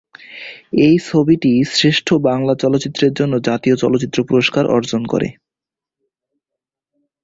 এই ছবিটি শ্রেষ্ঠ বাংলা চলচ্চিত্রের জন্য জাতীয় চলচ্চিত্র পুরস্কার অর্জন করে।